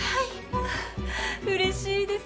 うれしいです。